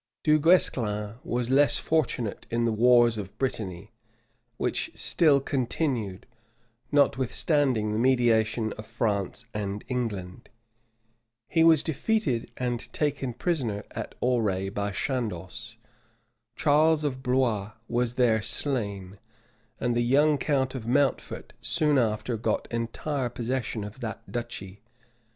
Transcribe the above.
Du Guesclin was less fortunate in the wars of Brittany, which still continued, notwithstanding the mediation of France and England: he was defeated and taken prisoner at Auray by Chandos: Charles of Blois was there slain, and the young count of Mountfort soon after got entire possession of that duchy.